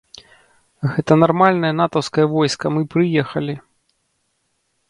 Гэта нармальнае натаўскае войска, мы прыехалі!